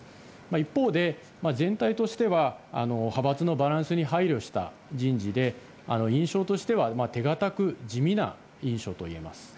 一方で全体としては派閥のバランスに配慮した人事で、印象としては手堅く地味な印象といえます。